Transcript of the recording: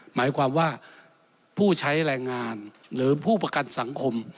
หมายความว่าผู้ใช้แรงงานหรือผู้ประกันสังคม